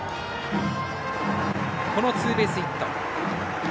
このツーベースヒット。